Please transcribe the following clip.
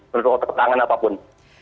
menurut otot tangan apapun